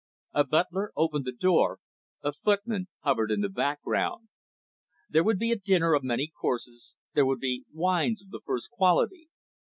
A butler opened the door, a footman hovered in the background. There would be a dinner of many courses, there would be wines of the first quality.